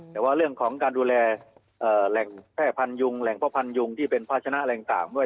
แต่ว่าเรื่องของการดูแลแหล่งแพร่พันยุงแหล่งพ่อพันธุงที่เป็นภาชนะอะไรต่างด้วย